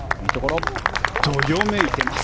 どよめいています。